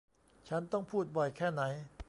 ฉันต้องพูดบ่อยแค่ไหน !